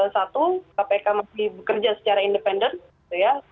satu kpk masih bekerja secara independen gitu ya